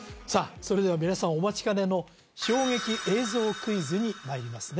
それでは皆さんお待ちかねの衝撃映像クイズにまいりますね